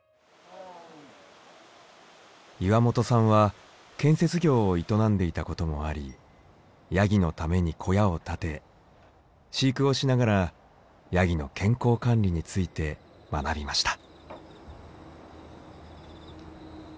岩本さんは建設業を営んでいたこともありヤギのために小屋を建て飼育をしながらヤギの健康管理について学びました。